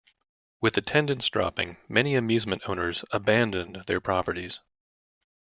With attendance dropping, many amusement owners abandoned their properties.